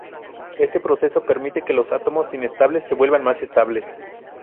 Este proceso permite que los átomos inestables se vuelvan más estables.